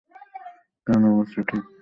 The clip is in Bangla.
প্রাণ অবশ্য ঠিক শ্বাস নয়।